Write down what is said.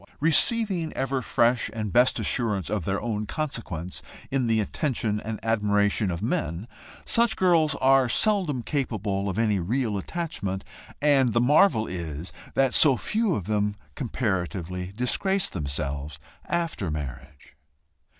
Receiving ever fresh and best assurance of their own consequence in the attention and admiration of men, such girls are seldom capable of any real attachment, and the marvel is that so few of them comparatively disgrace themselves after marriage.